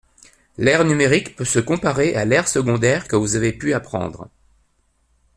L’ère numérique peut se comparer à l’ère secondaire que vous avez pu apprendre.